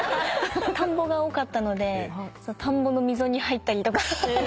田んぼが多かったので田んぼの溝に入ったりとか。